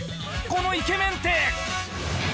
このイケメンって。